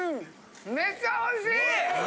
めっちゃおいしい！